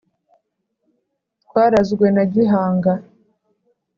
Twarazwe na Gihanga